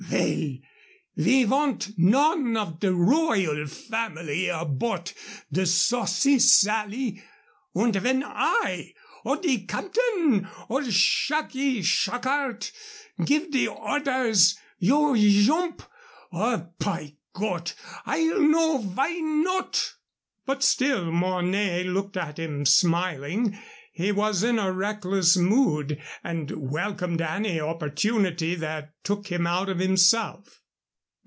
Vell, ve vant none of de royal family aboardt de Saucy Sally. Und vhen I, or de capdain, or Shacky Shackart gif de orders, you joomp, or, py Cott! I'll know vy not!" But still Mornay looked at him, smiling. He was in a reckless mood, and welcomed any opportunity that took him out of himself.